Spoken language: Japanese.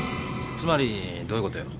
つまりどういうことよ？